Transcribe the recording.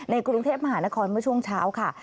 กรุงเทพมหานครเมื่อช่วงเช้าค่ะ